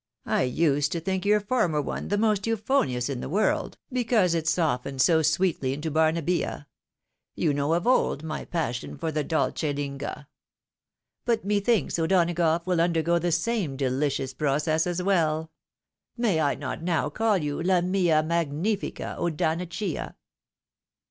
I used to think your former one the most euphonious in the world, because it softened so sweetly into Barnabbia ; you know of old my passion for the dolce lingua. But methinks O'Donagough wSl undergo the same deUcious process as well. May I not now call you la mia magnifica O'Donnaccia